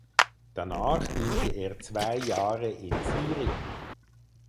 Danach diente er zwei Jahre in Syrien.